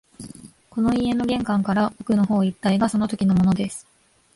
この家の玄関から奥の方一帯がそのときのものです